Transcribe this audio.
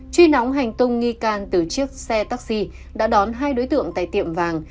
truy nóng hành tung nghi can từ chiếc xe taxi đã đón hai đối tượng tại tiệm vàng